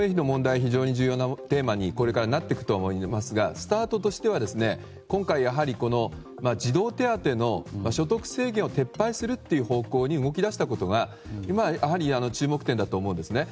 非常に重要なテーマにこれからなってくると思いますがスタートとしては今回、児童手当の所得制限を撤廃する方向に動き出したことがやはり注目点だと思うんですね。